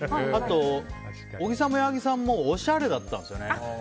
あと、小木さんも矢作さんもおしゃれだったんですよね。